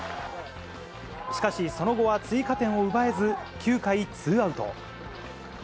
しかし、その後は追加点を奪えず、９回ツーアウト。